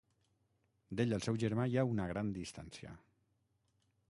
D'ell al seu germà hi ha una gran distància.